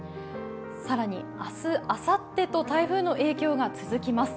更に明日、あさってと台風の影響が続きます。